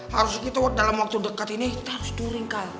harusnya kita dalam waktu dekat ini kita harus turing kal